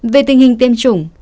về tình hình tiêm chủng